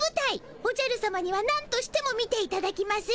おじゃるさまにはなんとしても見ていただきまする。